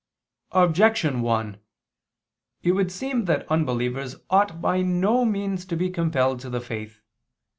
Objection 1: It would seem that unbelievers ought by no means to be compelled to the faith.